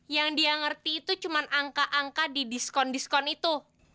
yang dia ngerti itu cuma angka angka di diskon diskon itu